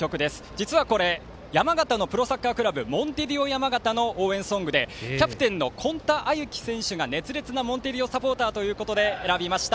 実はこれ山形のプロサッカークラブモンテディオ山形の応援ソングでキャプテンの今田歩希選手が熱烈なモンテディオのサポーターということで選びました。